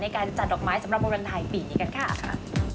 ในการจัดดอกไม้สำหรับบริเวณไทยปีนี้กันค่ะค่ะ